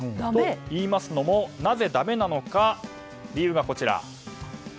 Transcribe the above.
といいますのも、なぜだめなのか理由が、こちら。